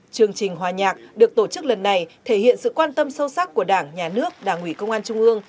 chương trình hòa nhạc được tổ chức lần này thể hiện sự quan tâm sâu sắc của đảng nhà nước đảng ủy công an trung ương